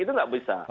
itu tidak bisa